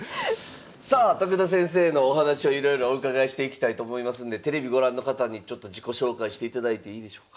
さあ徳田先生のお話をいろいろお伺いしていきたいと思いますんでテレビご覧の方にちょっと自己紹介していただいていいでしょうか？